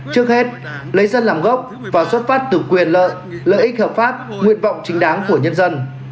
trước hết lấy dân làm gốc và xuất phát từ quyền lợi lợi ích hợp pháp nguyện vọng chính đáng của nhân dân